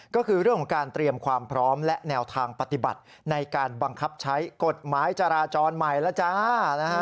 ก็คือเรื่องของการเตรียมความพร้อมและแนวทางปฏิบัติในการบังคับใช้กฎหมายจราจรใหม่แล้วจ้า